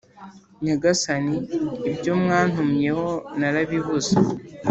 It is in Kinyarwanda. Nyagasani ibyo mwantumyeho narabibuze